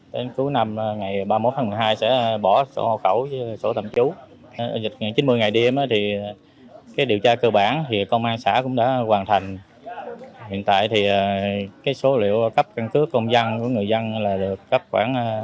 tới cuối năm ngày ba mươi một tháng một mươi hai sẽ bỏ sổ hộ khẩu sổ thẩm chú